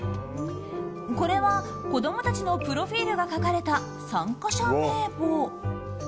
これは子供たちのプロフィールが書かれた参加者名簿。